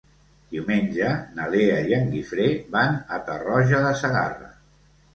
Diumenge na Lea i en Guifré van a Tarroja de Segarra.